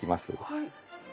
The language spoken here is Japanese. はい。